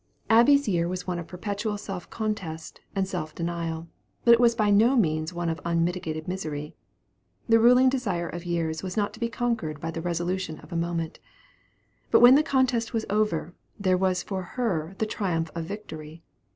Abby's year was one of perpetual self contest and self denial; but it was by no means one of unmitigated misery. The ruling desire of years was not to be conquered by the resolution of a moment; but when the contest was over, there was for her the triumph of victory.